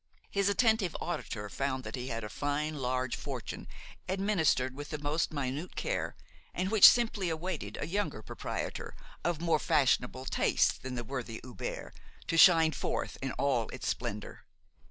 His attentive auditor found that he had a fine, large fortune administered with the most minute care, and which simply awaited a younger proprietor, of more fashionable tastes than the worthy Hubert, to shine forth in all its splendor.